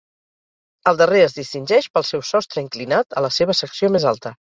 El darrer es distingeix pel seu sostre inclinat a la seva secció més alta.